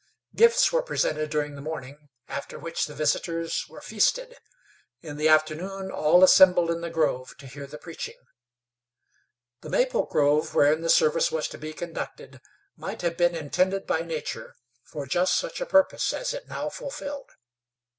Gifts were presented during the morning, after which the visitors were feasted. In the afternoon all assembled in the grove to hear the preaching. The maple grove wherein the service was to be conducted might have been intended by Nature for just such a purpose as it now fulfilled.